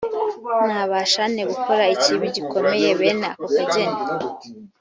nabasha nte gukora ikibi gikomeye bene ako kageni‽